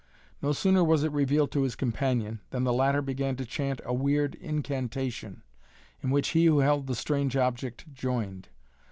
No sooner was it revealed to his companion, than the latter began to chant a weird incantation, in which he who held the strange object joined.